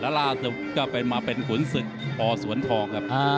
และราศดุเนี่ยมาเป็นขุนศึกพสวนทองครับ